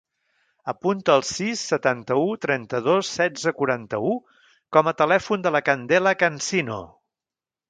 Apunta el sis, setanta-u, trenta-dos, setze, quaranta-u com a telèfon de la Candela Cansino.